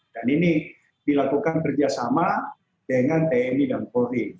ini dilakukan kerjasama dengan tni dan polri